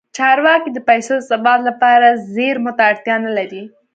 چارواکي د پیسو د ثبات لپاره زیرمو ته اړتیا نه لري.